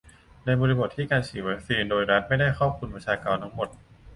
ในบริบทที่การฉีดวีคซีนโดยรัฐไม่ได้ครอบคลุมประชากรทั้งหมด